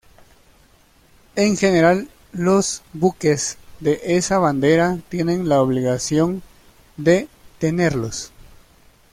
En general los buques de esa bandera tienen la obligación de tenerlos.